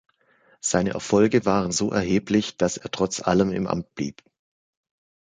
Seine Erfolge waren so erheblich, dass er trotz allem im Amt blieb.